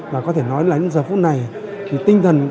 và có thể nói là đến giờ phút này